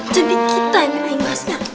jadi kita yang nangisnya